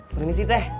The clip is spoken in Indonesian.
pergi sih teh